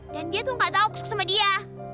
dan dia tuh gak tau aku suka sama dia